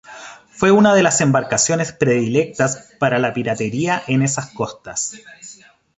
Fue una de las embarcaciones predilectas para la piratería en esas costas.